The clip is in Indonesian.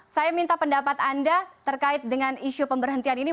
saya minta pendapat anda terkait dengan isu pemberhentian ini